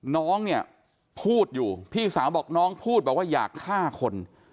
น้องเนี่ยพูดอยู่พี่สาวบอกน้องพูดบอกว่าอยากฆ่าคน